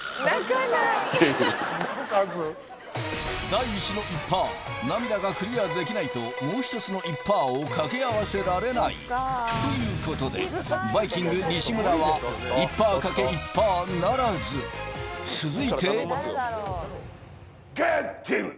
第１の１％涙がクリアできないともう１つの１％を掛け合わせられないということでバイきんぐ・西村は１％×１％ならず続いてガッデム！